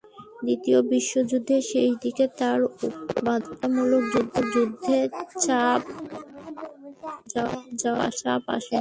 দ্বিতীয় বিশ্বযুদ্ধের শেষ দিকে তাঁর ওপর বাধ্যতামূলকভাবে যুদ্ধে যাওয়ার চাপ আসে।